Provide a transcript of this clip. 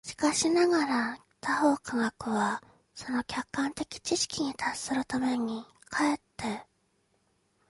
しかしながら他方科学は、その客観的知識に達するために、却って